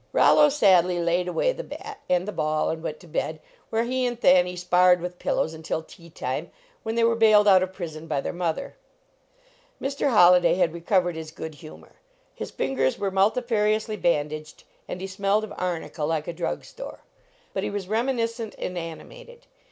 Rollo sadly laid away the bat and the ball and went to bed, where he and Thanny sparred with pillows until tea time, when they were bailed out of prison by their mother. Mr. Holliday had recovered his good humor. His fingers were multifariously bandaged and he smelled of arnica like a drug store. But he was reminiscent and animated.